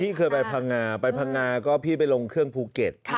เคยไปพังงาไปพังงาก็พี่ไปลงเครื่องภูเก็ต